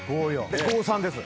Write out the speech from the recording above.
５３です。